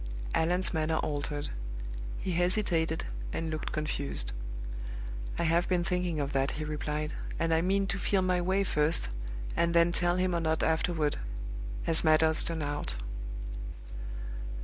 Allan's manner altered. He hesitated, and looked confused. "I have been thinking of that," he replied; "and I mean to feel my way first, and then tell him or not afterward, as matters turn out?"